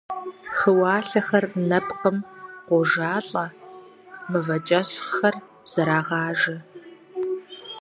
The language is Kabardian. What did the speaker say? Хыуалъэхэр нэпкъым къожалӀэ, мывэкӀэщхъыр зэрагъажэ.